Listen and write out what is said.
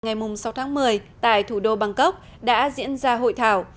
ngày sáu tháng một mươi tại thủ đô bangkok đã diễn ra hội thảo